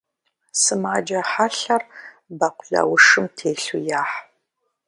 Сымаджэ хьэлъэр бэкъулаушым телъу яхь.